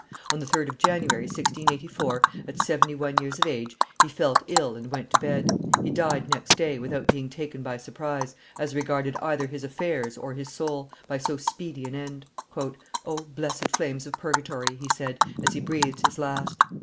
On the 3d of January, 1684, at seventy one years of age, he felt ill and went to bed; he died next day, without being taken by surprise, as regarded either his affairs or his soul, by so speedy an end. "O blessed flames of purgatory!" he said, as he breathed his last.